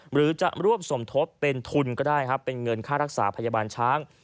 หรือจะร่วมสมทบเป็นทุนก็ได้ครับเป็นเงินค่ารักษาพยาบาลช้าง